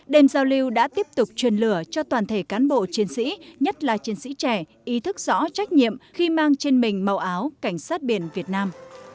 đêm giao lưu đã tiếp tục truyền lửa cho toàn thể cán bộ chiến sĩ nhất là chiến sĩ trẻ ý thức rõ trách nhiệm khi mang trên mình màu áo cảnh sát biển việt nam